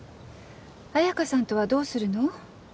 綾華さんとはどうするの？